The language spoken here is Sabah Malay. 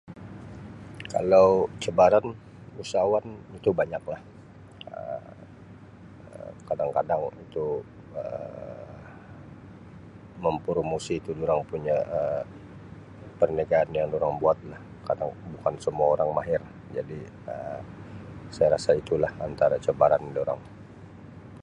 Kalau cabaran usahawan itu banyaklah Um kadang-kadang itu Um mempromosi tu durang punya Um perniagaan yang durang buat nilah kadang bukan semua orang mahir jadi Um saya rasa itulah antara cabaran durang.